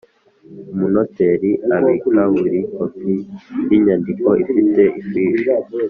Umunoteri abika buri kopi y inyandiko ifite ifishi